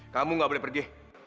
kamu gak boleh pergi